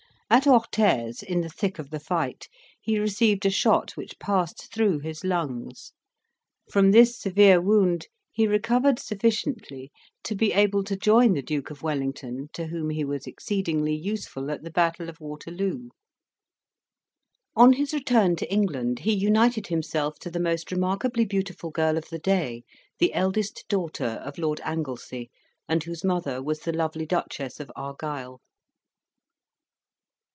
At Orthes, in the thick of the fight, he received a shot which passed through his lungs; from this severe wound he recovered sufficiently to be able to join the Duke of Wellington, to whom he was exceedingly useful at the battle of Waterloo. On his return to England, he united himself to the most remarkably beautiful girl of the day, the eldest daughter of Lord Anglesea, and whose mother was the lovely Duchess of Argyle.